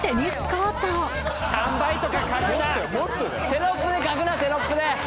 テロップで書くなテロップで。